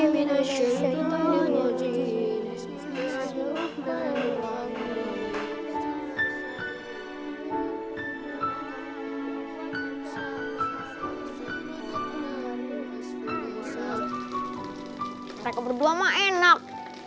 mereka berdua mah enak